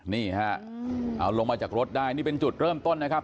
นี่ฮะเอาลงมาจากรถได้นี่เป็นจุดเริ่มต้นนะครับ